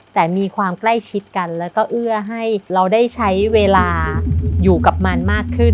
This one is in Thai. แต่มีความใกล้ชิดกันแล้วก็เอื้อให้เราได้ใช้เวลาอยู่กับมันมากขึ้น